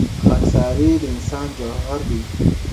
خاکساري د انسان جوهر دی.